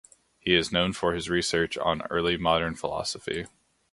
He is known for his research on early modern philosophy.